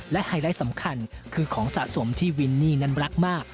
และไฮไลท์สำคัญคือของสะสมที่วินนี่นั้นรักมาก